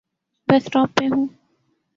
بس سٹاپ پہ ہوں۔